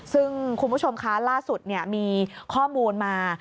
ซึ่งคุณผู้ชมคะล่าสุดมีข้อมูลมา